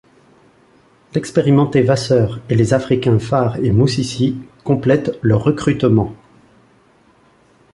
L'expérimenté Vasseur et les Africains Farh et Musisi complètent le recrutement.